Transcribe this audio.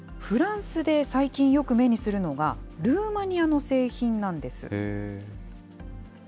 フランスで最近、よく目にするのがルーマニアの製品なんです。